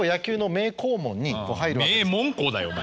名門校だよお前。